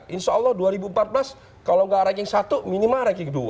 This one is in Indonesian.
insya allah dua ribu empat belas kalau nggak ranking satu minimal ranking dua